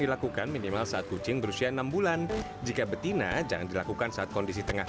dilakukan minimal saat kucing berusia enam bulan jika betina jangan dilakukan saat kondisi tengah